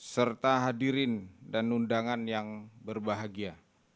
serta hadirin dan undangan yang berbahagia